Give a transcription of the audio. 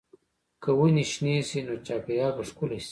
که ونې شنې شي، نو چاپېریال به ښکلی شي.